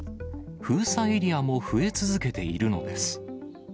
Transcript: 封鎖エリアも増え続けているのです。